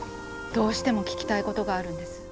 どうしても聞きたいことがあるんです。